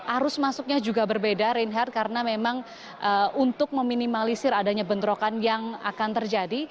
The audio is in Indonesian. arus masuknya juga berbeda reinhard karena memang untuk meminimalisir adanya bentrokan yang akan terjadi